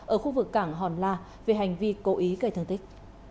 ở khu vực cảng hòn la về hành vi cố ý gây thương tích